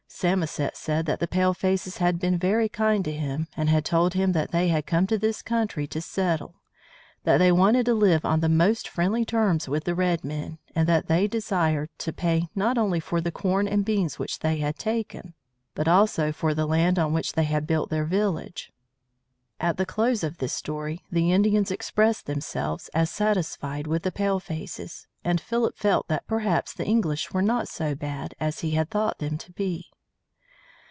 Samoset said that the palefaces had been very kind to him, and had told him that they had come to this country to settle, that they wanted to live on the most friendly terms with the red men, and that they desired to pay not only for the corn and beans which they had taken, but also for the land on which they had built their village. At the close of his story the Indians expressed themselves as satisfied with the palefaces, and Philip felt that perhaps the English were not so bad as he had thought them to be.